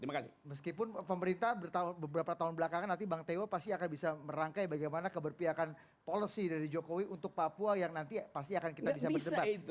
meskipun pemerintah beberapa tahun belakangan nanti bang teo pasti akan bisa merangkai bagaimana keberpiakan policy dari jokowi untuk papua yang nanti pasti akan kita bisa berdebat